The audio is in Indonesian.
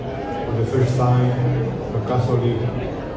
saya ingin mengucapkan terima kasih